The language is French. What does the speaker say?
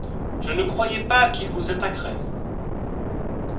Je ne croyais pas qu'ils vous attaqueraient.